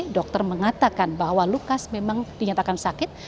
dokter mengatakan bahwa lukas memang dinyatakan sakit